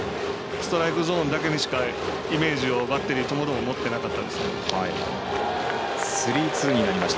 ストライクゾーンだけにしかイメージをバッテリーともども持ってなかったですね。